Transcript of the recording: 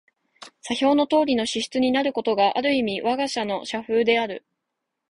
左表のとおりの支出になることが、ある意味わが社の社風である。